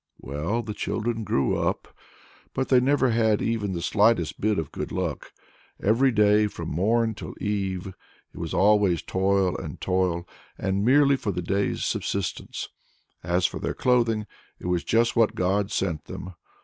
Well, the children grew up, but they never had even the slightest bit of good luck. Every day, from morn till eve, it was always toil and toil, and all merely for the day's subsistence. As for their clothing, it was just what God sent them!